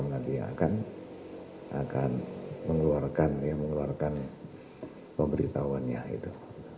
mereka akan mengeluarkan ya mengeluarkan pemberitahuannya itu